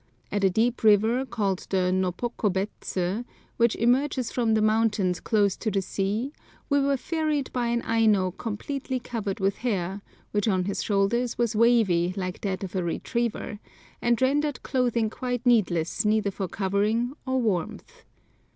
At a deep river called the Nopkobets, which emerges from the mountains close to the sea, we were ferried by an Aino completely covered with hair, which on his shoulders was wavy like that of a retriever, and rendered clothing quite needless either for covering or warmth.